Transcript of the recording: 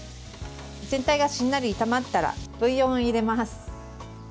全体がしんなり炒まったらブイヨンを入れます。